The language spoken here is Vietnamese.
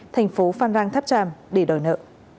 thành phố phan rang tháp tràm để đòi nợ